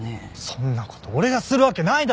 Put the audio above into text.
そんな事俺がするわけないだろ！